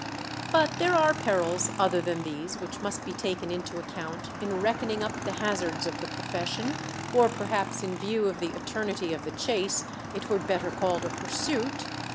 _" But there are perils other than these which must be taken into account in reckoning up the hazards of the profession or perhaps in view of the eternity of the chase it were better called a pursuit.